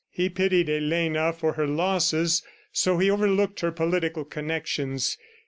He pitied Elena for her losses, so he overlooked her political connections.